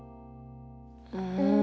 うん。